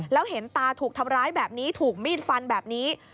แล้วเห็นตาถูกทำร้ายแบบนี้ถูกมีดฟันแบบนี้